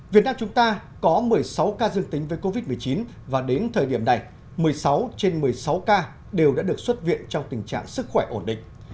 việt nam chúng ta có một mươi sáu ca dương tính với covid một mươi chín và đến thời điểm này một mươi sáu trên một mươi sáu ca đều đã được xuất viện trong tình trạng sức khỏe ổn định